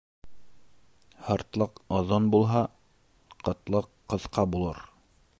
Һыртлыҡ оҙон булһа, ҡытлыҡ ҡыҫҡа булыр